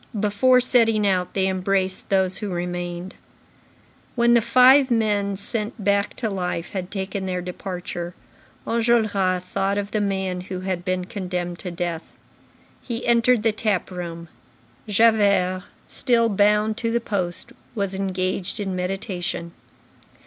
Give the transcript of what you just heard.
Before setting out, they embraced those who remained. When the five men sent back to life had taken their departure, Enjolras thought of the man who had been condemned to death. He entered the tap room. Javert, still bound to the post, was engaged in meditation.